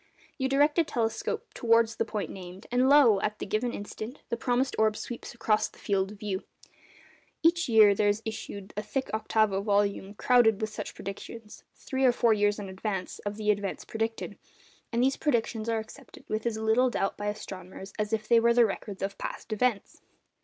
You direct a telescope towards the point named, and lo! at the given instant, the promised orb sweeps across the field of view. Each year there is issued a thick octavo volume crowded with such predictions, three or four years in advance of the events predicted; and these predictions are accepted with as little doubt by astronomers as if they were the records of past events.